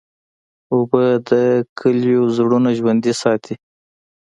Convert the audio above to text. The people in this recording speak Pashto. اوبه د کلیو زړونه ژوندی ساتي.